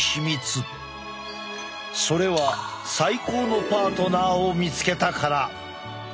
それは最高のパートナーを見つけたから！